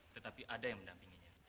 tetapi ada yang mendampinginya